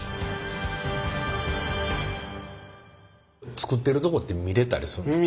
つくってるとこって見れたりするんですか？